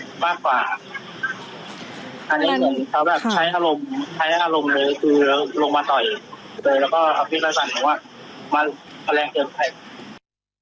ใช้อารมณ์ใช้อารมณ์เลยคือลงมาต่อยแล้วก็คิดว่ามันแรงเกินใคร